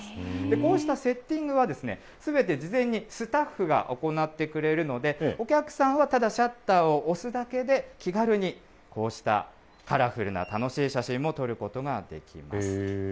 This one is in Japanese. こうしたセッティングは、すべて事前にスタッフが行ってくれるので、お客さんはただシャッターを押すだけで、気軽にこうしたカラフルな楽しい写真も撮ることができます。